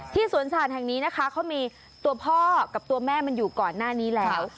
สวนศาสตร์แห่งนี้นะคะเขามีตัวพ่อกับตัวแม่มันอยู่ก่อนหน้านี้แล้ว